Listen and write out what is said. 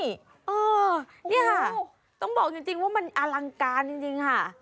นี่ค่ะต้องบอกจริงว่ามันอลังการจริงค่ะ